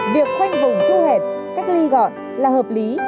việc khoanh vùng thu hẹp cách ly gọn là hợp lý